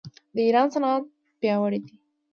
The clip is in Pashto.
د ایران صنعت پیاوړی دی.